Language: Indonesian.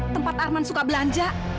tempat arman suka belanja